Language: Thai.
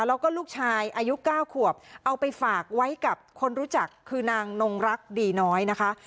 แล้วก็ลูกชายอายุ๙ขวบเอาไปฝากไว้กับคนรู้จักคือนางนงรักดีน้อยนะคะ